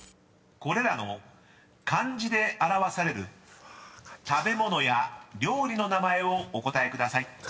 ［これらの漢字で表される食べ物や料理の名前をお答えください］